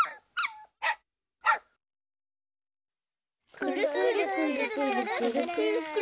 くるくるくるくるくるくるくる。